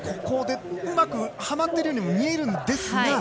うまくはまっているように見えるんですが。